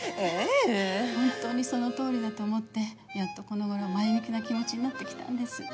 本当にそのとおりだと思ってやっとこのごろ前向きな気持ちになってきたんです。